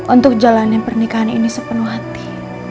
untuk jalanin pernikahan ini sepenuh hati